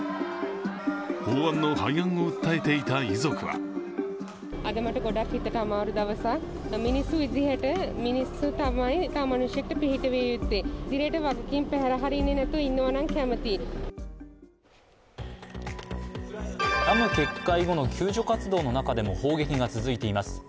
法案の廃案を訴えていた遺族はダム決壊後の救助活動の中でも砲撃が続いています。